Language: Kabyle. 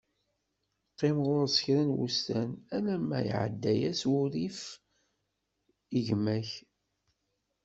Qqim ɣur-s kra n wussan, alamma iɛedda-as wurrif i gma-k.